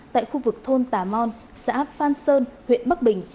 tại khu vực thôn tà mon xã phan sơn huyện bắc bình